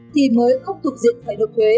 thì mới không tục diện phải đột thuế